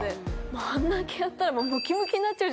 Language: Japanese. あんだけやったらもう。